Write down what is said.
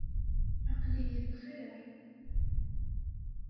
Aql-iyi bxir.